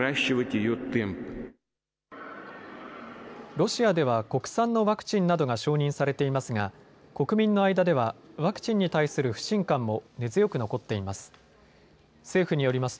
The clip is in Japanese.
ロシアでは国産のワクチンなどが承認されていますが国民の間ではワクチンに対する不信感も根強く残っています。